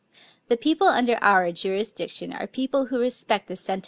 The people under Our jurisdiction are people who respect pronounced.